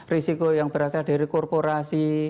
risiko yang berasal dari korporasi